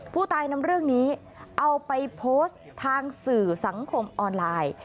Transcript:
ผู้ตายนำเรื่องนี้เอาไปโพสต์ทางสื่อสังคมออนไลน์